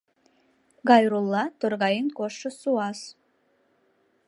Гайрулла — торгаен коштшо суас.